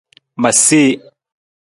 Ma see.